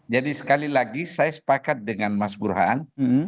jadi sekali lagi saya sepakat dengan mas burhan